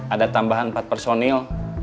ada tambahan empat personil